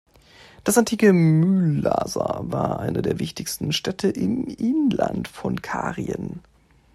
Das antike Mylasa war eine der wichtigsten Städte im Inland von Karien.